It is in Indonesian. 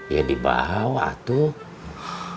ya di bawah atukum